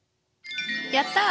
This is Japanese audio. やった！